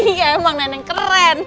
iya emang nenek keren